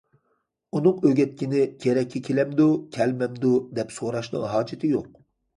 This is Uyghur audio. ئۇنىڭ ئۆگەتكىنى كېرەككە كېلەمدۇ- كەلمەمدۇ دەپ سوراشنىڭ ھاجىتى يوق.